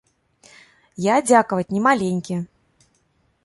Я, дзякаваць, не маленькі.